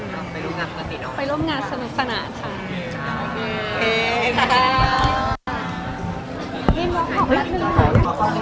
ต้องไปร่วมงานสนุกสนานค่ะ